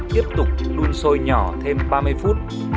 tiếp tục đun sôi nhỏ thêm ba mươi phút